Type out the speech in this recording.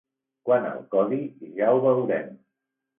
Quant al codi, ja ho veurem.